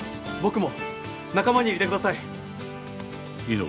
僕も仲間に入れてください。